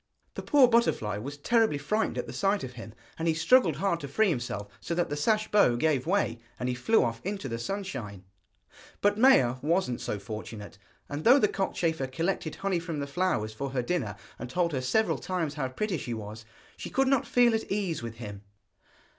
The poor butterfly was terribly frightened at the sight of him, and he struggled hard to free himself, so that the sash bow gave way, and he flew off into the sunshine. But Maia wasn't so fortunate, and though the cockchafer collected honey from the flowers for her dinner, and told her several times how pretty she was, she could not feel at ease with him.